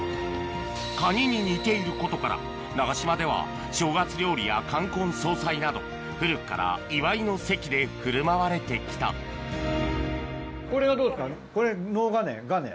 カニに似ていることから長島では正月料理や冠婚葬祭など古くから祝いの席で振る舞われてきたこれはどうですか？